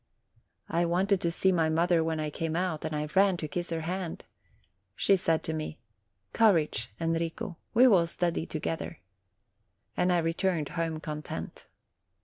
I wanted to see my mother when I came out, and I ran to kiss her hand ! She said to me : "Courage, Enrico ! we will study together." And I returned home content.